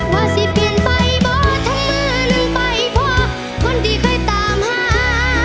ว่าสิเปลี่ยนไปบ่เธอลืมไปพ่อคนที่ค่อยตามหา